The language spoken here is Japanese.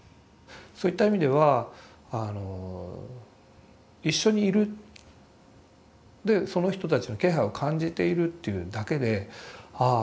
そういった意味ではあの一緒にいるでその人たちの気配を感じているというだけであ